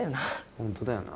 ホントだよな。